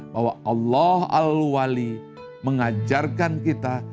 bahwa allah al wali mengajarkan kita